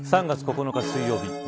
３月９日水曜日